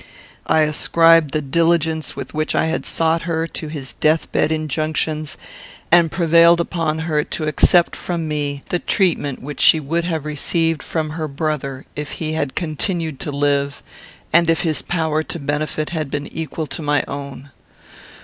I ascribed the diligence with which I had sought her to his death bed injunctions, and prevailed upon her to accept from me the treatment which she would have received from her brother if he had continued to live, and if his power to benefit had been equal to my own.